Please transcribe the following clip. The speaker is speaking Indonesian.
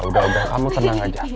udah udah kamu tenang aja